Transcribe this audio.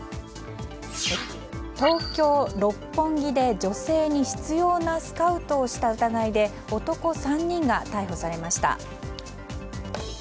東京・六本木で女性に執拗なスカウトをした疑いで男３人が逮捕されました。